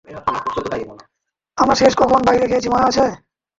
আমরা শেষ কখন বাহিরে খেয়েছি মনে আছে?